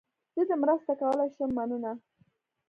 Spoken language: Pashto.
زه دې مرسته کولای شم، مننه.